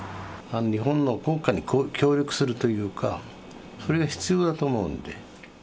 日本の国家に協力するというか、それが必要だと思うんで。